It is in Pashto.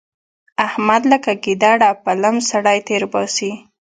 احمد لکه ګيدړه په لم سړی تېرباسي.